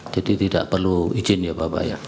jadi tidak perlu izin ya bapak ya